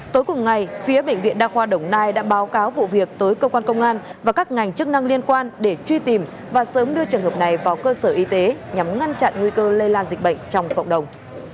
tối cùng ngày phía bệnh viện đa khoa đồng nai đã báo cáo vụ việc tới cơ quan công an và các ngành chức năng liên quan để truy tìm và sớm đưa trường hợp này vào cơ sở y tế nhằm ngăn chặn nguy cơ lây lan dịch bệnh trong cộng đồng